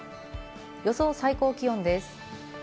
予想最高気温です。